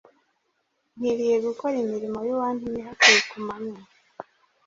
Nkwiriye gukora imirimo y’uwantumye hakiri ku manywa